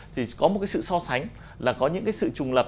thì có một cái sự so sánh là có những cái sự trùng lập